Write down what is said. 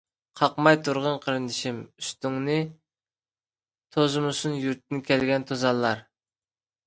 قاقماي تۇرغىن قېرىندىشىم ئۈستۈڭنى، توزۇمىسۇن يۇرتتىن كەلگەن توزانلار.